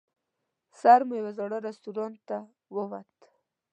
سر مو یوه زاړه رستورانت ته ووت.